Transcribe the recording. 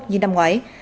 như năm ngoái